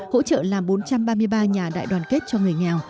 hỗ trợ làm bốn trăm ba mươi ba nhà đại đoàn kết cho người nghèo